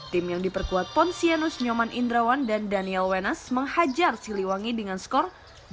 tim yang diperkuat ponsianus nyoman indrawan dan daniel wenas menghajar siliwangi dengan skor delapan puluh dua puluh sembilan